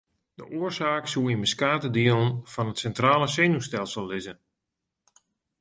De oarsaak soe yn beskate dielen fan it sintrale senuwstelsel lizze.